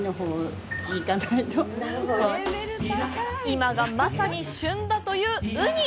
今がまさに旬だというウニ！